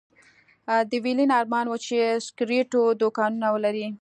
د ويلين ارمان و چې د سګرېټو دوکانونه ولري.